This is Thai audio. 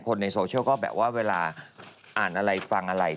คนในโซเชียลก็แบบว่าเวลาอ่านอะไรฟังอะไร